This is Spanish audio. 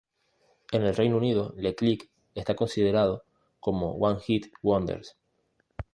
En el Reino Unido, Le Click está considerado como one-hit wonders.